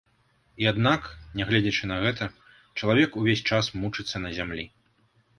І аднак, нягледзячы на гэта, чалавек увесь час мучыцца на зямлі.